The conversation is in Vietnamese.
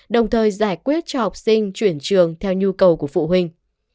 đồng thời giải quyết cho học sinh chuyển trường theo nhu cầu của phụ huynh